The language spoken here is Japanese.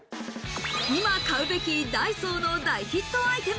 今、買うべきダイソーのヒットアイテム。